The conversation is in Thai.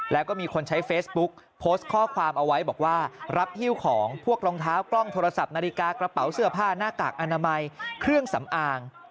แล้วก็มีคนใช้เฟซบุ๊กโพสต์ข้อความเอาไว้บอกว่ารับฮิ้วของพวกรองเท้ากล้องโทรศัพท์นาฬิกากระเป๋าเสื้อผ้าหน้ากากอนามัยเครื่องสำอาง